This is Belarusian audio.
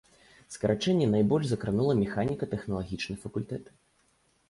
Скарачэнне найбольш закранула механіка-тэхналагічны факультэт.